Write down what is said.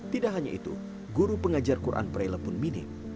tidak hanya itu guru pengajar quran braille pun minim